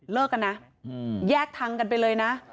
เลิกกันนะแยกทั้งกันไปเลยนะ